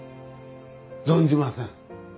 「存じません」